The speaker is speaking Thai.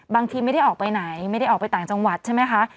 บางทีไม่ได้ออกไปไหนไม่ได้ออกไปต่างจังหวัดใช่ไหมคะ